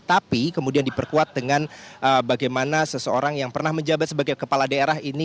tapi kemudian diperkuat dengan bagaimana seseorang yang pernah menjabat sebagai kepala daerah ini